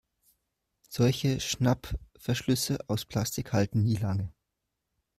Solche Schnappverschlüsse aus Plastik halten nie lange.